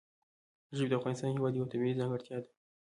ژبې د افغانستان هېواد یوه طبیعي ځانګړتیا ده.